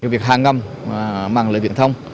việc hạ ngầm mà mang lợi viện thông